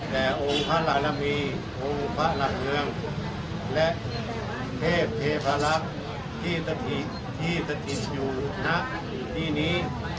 แต่องค์พระรามีองค์พระเหงิงและเทพเทพรักษ์ที่สถิตที่สถิตอยู่นักที่นี้